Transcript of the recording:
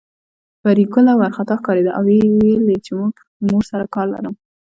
پري ګله وارخطا ښکارېده او ويل يې چې مور سره کار لرم